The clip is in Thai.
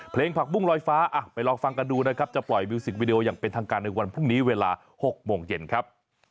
ผักบุ้งลอยฟ้าไปลองฟังกันดูนะครับจะปล่อยมิวสิกวิดีโออย่างเป็นทางการในวันพรุ่งนี้เวลา๖โมงเย็นครับ